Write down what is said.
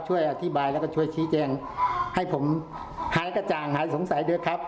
ช่วยอธิบายแล้วก็ช่วยชี้แจงให้ผมหายกระจ่างหายสงสัยด้วยครับ